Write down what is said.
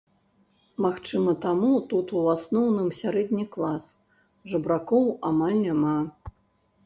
Магчыма, таму тут у асноўным сярэдні клас, жабракоў амаль няма.